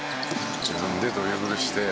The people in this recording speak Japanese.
「自分でドリブルして」